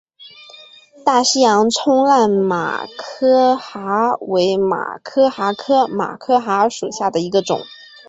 大西洋冲浪马珂蛤为马珂蛤科马珂蛤属下的一个种。